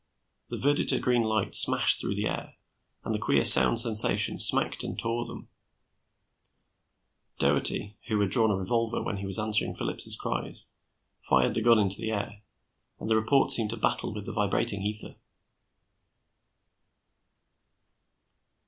The verditer green light smashed through the air, and the queer sound sensations smacked and tore them; Doherty, who had drawn a revolver when he was answering Phillips' cries, fired the gun into the air, and the report seemed to battle with the vibrating ether.